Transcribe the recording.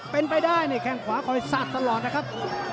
เป็นไปได้นี่แข้งขวาคอยสาดตลอดนะครับ